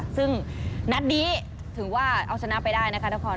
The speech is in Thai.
ซึ่งนัดนี้ถือว่าเอาชนะไปได้นะคะนคร